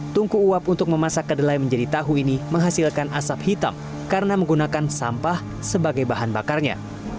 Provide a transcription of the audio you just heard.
tungku uap untuk memasak kedelai menjadi tahu ini menghasilkan asap hitam karena menggunakan sampah sebagai bahan bakarnya